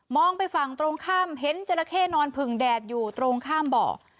ไปฝั่งตรงข้ามเห็นจราเข้นอนผึ่งแดดอยู่ตรงข้ามเบาะ